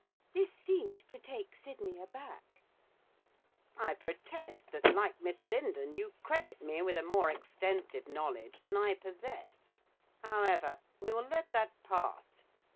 This seemed to take Sydney aback. 'I protest that, like Miss Lindon, you credit me with a more extensive knowledge than I possess. However, we will let that pass.